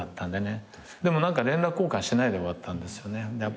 でも連絡交換しないで終わったんですよね。